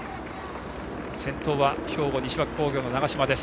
先頭は兵庫・西脇工業の長嶋です。